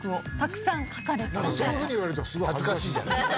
そういうふうに言われるとすごい恥ずかしい。